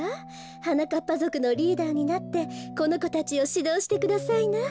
はなかっぱぞくのリーダーになってこのこたちをしどうしてくださいな。